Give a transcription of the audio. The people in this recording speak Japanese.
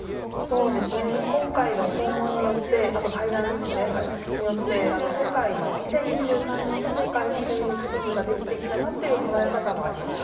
そうですね、今回の訪問によって、あと会談ですね、によって、世界の２０２３年の世界の勢力地図が出来てきたなという捉え方もあります。